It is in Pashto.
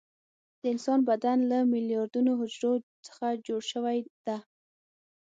د انسان بدن له میلیاردونو حجرو څخه جوړ شوى ده.